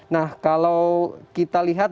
nah kalau kita lihat